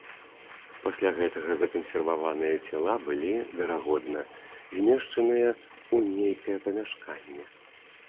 Пасля гэтага закансерваваныя цела былі, верагодна, змешчаныя ў нейкае памяшканне.